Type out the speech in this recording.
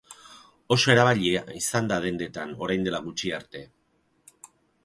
Oso erabilia izan da dendetan orain dela gutxi arte.